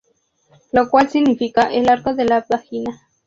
Lo cual significa, el arco de la vagina.